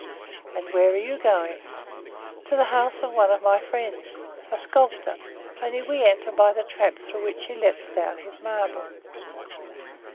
"And where are you going?" "To the house of one of my friends, a sculptor, only we enter by the trap through which he lets down his marble."